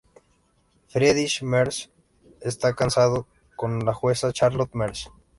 Friedrich Merz está casado con la jueza Charlotte Merz.